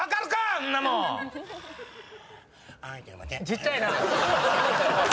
ちっちゃいな！